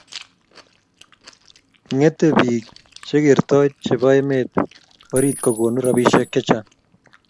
nge eet bik che kertoi che bo emet orit kukonu robisheck che Chang